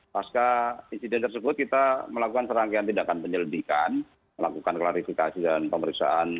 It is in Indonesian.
pasca insiden tersebut kita melakukan serangkaian tindakan penyelidikan melakukan klarifikasi dan pemeriksaan